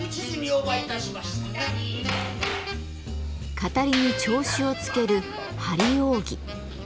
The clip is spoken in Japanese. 語りに調子をつける「張り扇」。